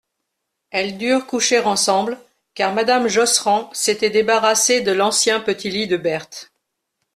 Elles durent coucher ensemble, car madame Josserand s'était débarrassée de l'ancien petit lit de Berthe.